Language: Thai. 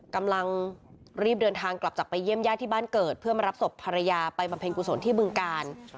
กำลังรีบเดินทางกลับจากไปเยี่ยมญาติที่บ้านเกิดเพื่อมารับศพภรรยาไปบำเพ็ญกุศลที่บึงกาล